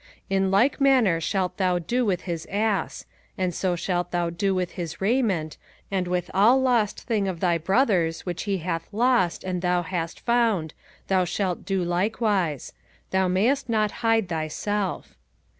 05:022:003 In like manner shalt thou do with his ass; and so shalt thou do with his raiment; and with all lost thing of thy brother's, which he hath lost, and thou hast found, shalt thou do likewise: thou mayest not hide thyself.